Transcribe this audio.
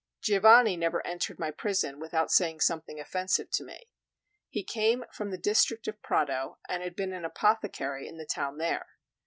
Giovanni never entered my prison without saying something offensive to me. He came from the district of Prato, and had been an apothecary in the town there.